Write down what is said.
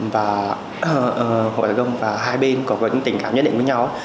và hội công và hai bên có những tình cảm nhất định với nhau